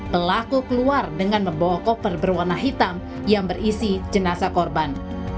pelaku keluar dengan membawa koper berwarna hitam yang berisi jenazah korban